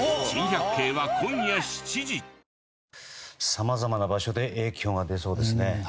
さまざまな場所で影響が出そうですね。